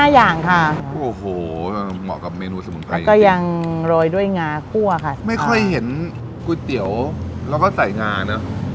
๕อย่างโอ้โหเหมาะกับเมนูรวยด้วยอย่างงากล้วค่ะไม่ค่อยเห็นกุ้ยเตี๋ยวแล้วก็ใส่งาน